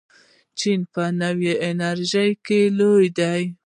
چین په نوې انرژۍ کې لوی دی.